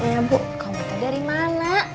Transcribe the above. ya bu kamu dari mana